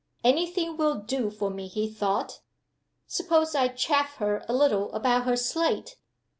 "Any thing will do for me," he thought. "Suppose I 'chaff' her a little about her slate?"